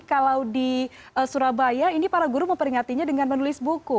kalau di surabaya ini para guru memperingatinya dengan menulis buku